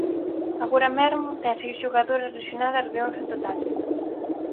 Agora mesmo ten seis xogadoras lesionadas de once en total.